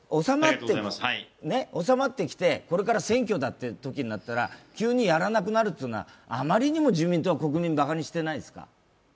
収まってきてこれから選挙だというときになったら急にやらなくなるというのはあまりにも自民党、国民をバカにしてないですか？